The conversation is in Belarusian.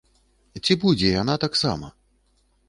Ці будзе яна таксама?